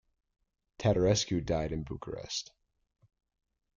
Tattarescu died in Bucharest.